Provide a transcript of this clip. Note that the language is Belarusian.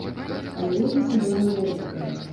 Але розніца была невялікая.